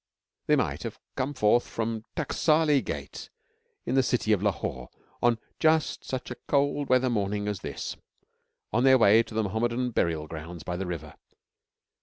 They might have come forth from the Taksali Gate in the city of Lahore on just such a cold weather morning as this, on their way to the Mohammedan burial grounds by the river.